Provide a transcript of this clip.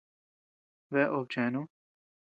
Bea obe chenu.